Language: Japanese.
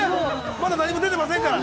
まだ何も出てませんから。